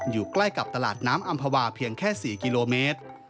อยู่ใกล้กับตลาดน้ำอำภาวาเพียงแค่๔กิโลเมตร